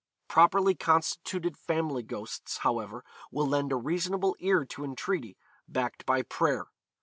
Properly constituted family ghosts, however, will lend a reasonable ear to entreaty, backed by prayer.